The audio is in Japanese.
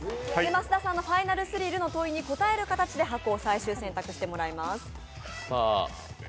益田さんのファイナルスリルの問いに答える形で箱を最終選択してもらいます。